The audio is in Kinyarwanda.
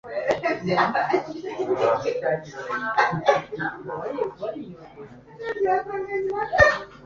Nishimiye cyane kugufasha gusukura igaraje ryawe